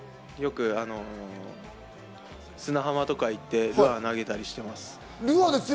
砂浜とか行って投げたりしています。